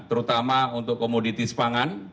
terutama untuk komoditis pangan